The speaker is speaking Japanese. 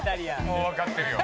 「もうわかってるよ」